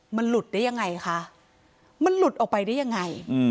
มันหลุดได้ยังไงคะมันหลุดออกไปได้ยังไง